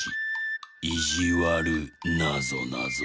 いじわるなぞなぞ。